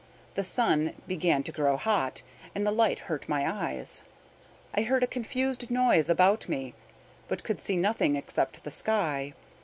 The sun began to grow hot, and the light hurt my eyes. I heard a confused noise about me, but could see nothing except the sky.